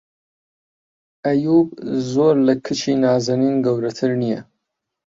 ئەییووب زۆر لە کچی نازەنین گەورەتر نییە.